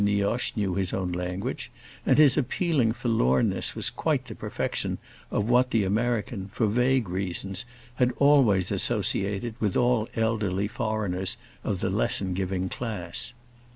Nioche knew his own language, and his appealing forlornness was quite the perfection of what the American, for vague reasons, had always associated with all elderly foreigners of the lesson giving class.